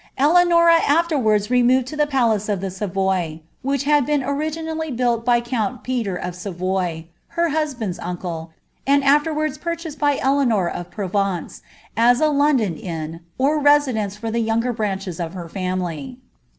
Eleanor* afterwards removed lo the jmlace of the Sum which had been origiiinily built by count Peter of Savoy, her hmbaon uncle, and afterwards purcliased by Eleanor of Provence, •( a Loate ■in, or residence fur the younger hrauches of her family.